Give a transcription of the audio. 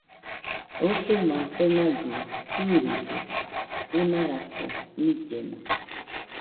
Usuma fenagɨ irɨde ɨnarako nillena